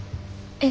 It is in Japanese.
えっ。